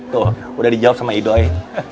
tuh udah dijawab sama idoy